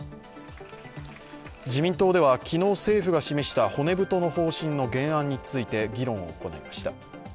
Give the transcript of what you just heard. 自民党では昨日政府が示した骨太の方針の原案について議論を行いました。